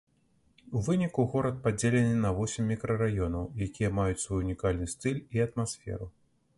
У выніку горад падзелены на восем мікрараёнаў, якія маюць свой унікальны стыль і атмасферу.